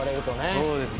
そうですね。